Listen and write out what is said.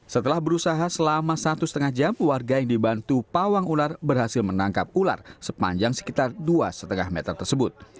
setelah berusaha selama satu setengah jam warga yang dibantu pawang ular berhasil menangkap ular sepanjang sekitar dua lima meter tersebut